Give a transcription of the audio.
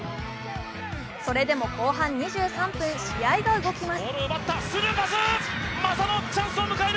それでも後半２３分、試合が動きます。